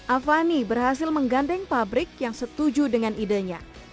avani berhasil menggandeng pabrik yang setuju dengan idenya